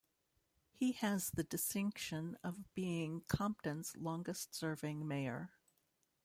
He has the distinction of being Compton's longest serving mayor.